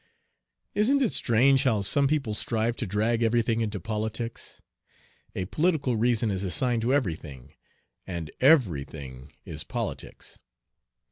Isn't it strange how some people strive to drag everything into politics! A political reason is assigned to every thing, and "every thing is politics."